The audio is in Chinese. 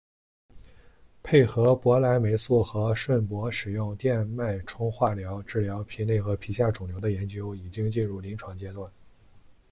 配合博莱霉素和顺铂使用电脉冲化疗治疗皮内和皮下肿瘤的研究已经进入临床阶段。